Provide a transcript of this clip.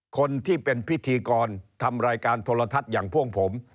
คนที่เป็นพิธีกรทำรายการโทรทัศน์อย่างพวกผม